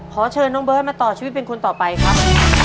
ขอเชิญน้องเบิร์ตมาต่อชีวิตเป็นคนต่อไปครับ